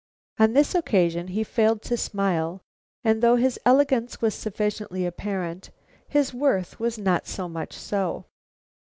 On this occasion he failed to smile, and though his elegance was sufficiently apparent, his worth was not so much so.